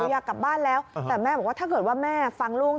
อยากกลับบ้านแล้วแต่แม่บอกว่าถ้าเกิดว่าแม่ฟังลูก